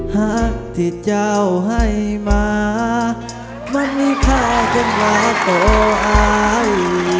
หากที่เจ้าให้มามันมีข้าขึ้นมาโตอาย